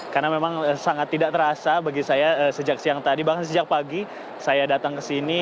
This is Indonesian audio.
karena memang sangat tidak terasa bagi saya sejak siang tadi bahkan sejak pagi saya datang ke sini